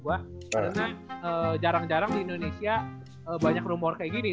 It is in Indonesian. karena jarang jarang di indonesia banyak rumor kayak gini